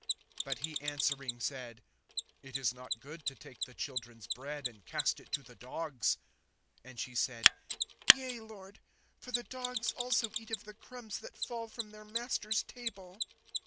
(26)But he answering said: It is not good to take the children's bread, and cast it to the dogs. (27)And she said: Yea, Lord; for the dogs also eat of the crumbs that fall from their masters' table.